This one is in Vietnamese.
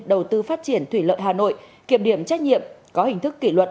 đầu tư phát triển thủy lợi hà nội kiểm điểm trách nhiệm có hình thức kỷ luật